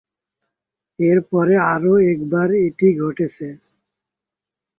এর পরে আরও একবার এটি ঘটেছে।